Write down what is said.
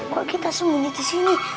kok kita semuanya di sini